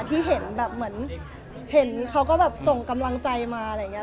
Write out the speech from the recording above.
ที่เห็นแบบเหมือนเห็นเขาก็แบบส่งกำลังใจมาอะไรอย่างนี้